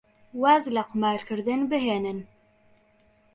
واز لە قومارکردن بهێنن.